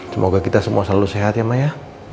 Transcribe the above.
semoga kita semua selalu sehat ya mbak ya